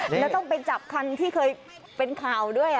แล้วต้องไปจับคันที่เคยเป็นข่าวด้วย